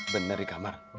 bener di kamar